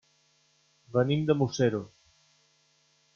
Venim de Museros.